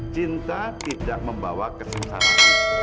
cinta tidak membawa kesengsaraan